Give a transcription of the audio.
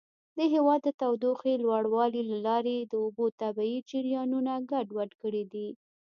د هوا د تودوخې لوړوالي له لارې د اوبو طبیعي جریانونه ګډوډ کړي دي.